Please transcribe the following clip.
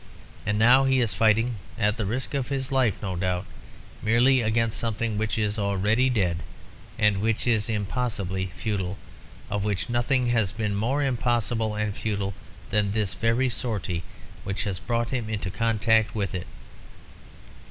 And now he is fighting (at the risk of his life, no doubt) merely against something which is already dead, which is impossible, futile; of which nothing has been more impossible and futile than this very sortie which has brought him into contact with it.